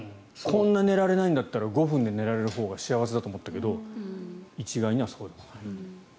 こんな寝られないんだったら５分で寝られるほうが幸せだと思ったけど一概にはそうでもない。